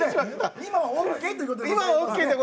今はＯＫということで。